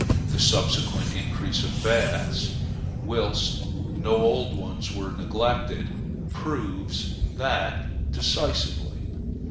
The subsequent increase of baths, whilst no old ones were neglected, proves that decisively.